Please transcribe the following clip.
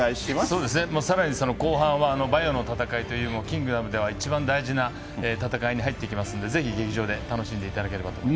そうですね、後半はの戦いというキングダムでは一番大事な戦いに入ってきますんで、ぜひ劇場で楽しんでいただければと思い